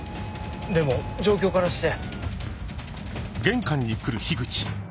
でも状況からして。